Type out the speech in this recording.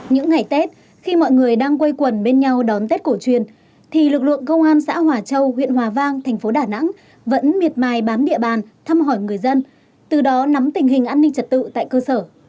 những ngày tết khi mọi người đang quay quần bên nhau đón tết cổ truyền thì lực lượng công an xã hòa châu huyện hòa vang thành phố đà nẵng vẫn miệt mài bám địa bàn thăm hỏi người dân từ đó nắm tình hình an ninh trật tự tại cơ sở